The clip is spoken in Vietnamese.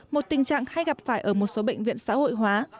một tình trạng hay gặp phải ở một số bệnh viện xã hội hóa